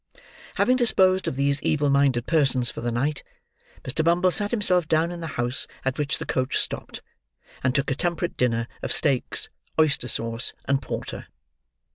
Having disposed of these evil minded persons for the night, Mr. Bumble sat himself down in the house at which the coach stopped; and took a temperate dinner of steaks, oyster sauce, and porter.